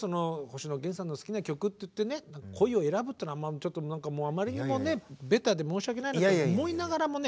星野源さんの好きな曲って言ってね「恋」を選ぶっていうのはあまりにもねベタで申し訳ないなと思いながらもね。